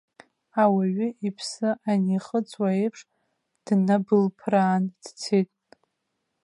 Ауаҩы иԥсы анихыҵуа еиԥш, днабылԥраан дцеит.